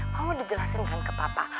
mama udah jelasin kan ke papa